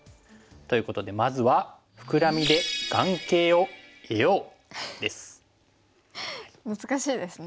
ということでまずは難しいですね。